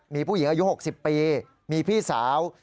มีผู้หญิงอายุ๖๐ปีมีพี่สาว